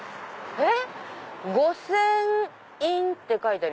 えっ？